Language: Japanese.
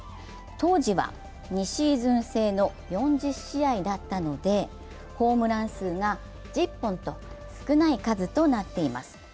当時は２シーズン制の４０試合だったのでホームラン数が１０本と少ない数となっています。